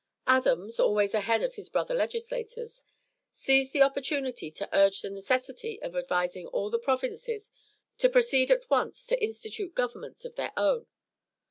Adams, always ahead of his brother legislators, seized the opportunity to urge the necessity of advising all of the provinces to proceed at once to institute governments of their own.